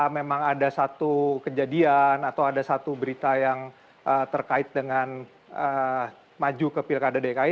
memang ada satu kejadian atau ada satu berita yang terkait dengan maju ke pilkada dki